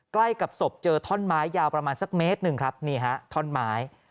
ใกล้กับศพเจอท่อนไม้ยาวประมาณสักเมตรหนึ่งครับนี่ฮะท่อนไม้